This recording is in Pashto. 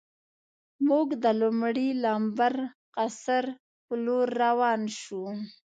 موږ د لومړي لمبر قصر په لور روان شو.